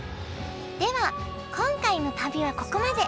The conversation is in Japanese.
では今回の旅はここまで。